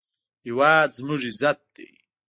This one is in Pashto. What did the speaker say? هېواد زموږ عزت دی